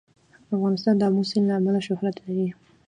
افغانستان د آمو سیند له امله شهرت لري.